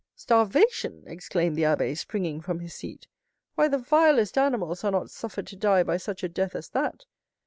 "Starvation!" exclaimed the abbé, springing from his seat. "Why, the vilest animals are not suffered to die by such a death as that.